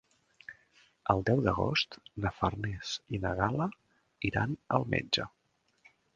El deu d'agost na Farners i na Gal·la iran al metge.